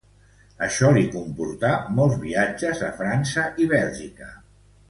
Això li comportà molts viatges a França i Bèlgica.